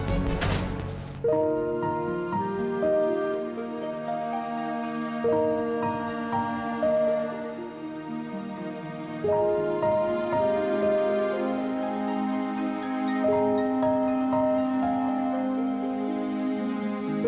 kita pake ak loh